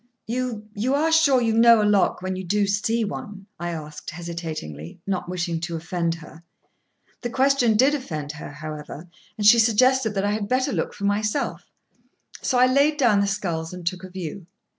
"You—you are sure you know a lock, when you do see one?" I asked hesitatingly, not wishing to offend her. The question did offend her, however, and she suggested that I had better look for myself; so I laid down the sculls, and took a view.